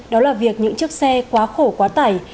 đó là việc những chiếc xe quá khổ quá tải